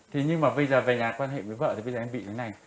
thế nhưng mà về nhà quan hệ với vợ thì em bị như thế này